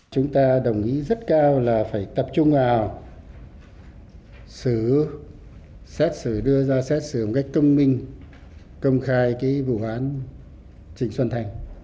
chúng ta đồng ý rất cao là phải tập trung vào xử xét xử đưa ra xét xử một cách công minh công khai cái vụ án trịnh xuân thành